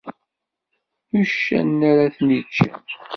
D uccanen arad ten-iččen.